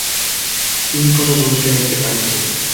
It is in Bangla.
তিনি কোন ভূমিকা রাখতে পারেননি।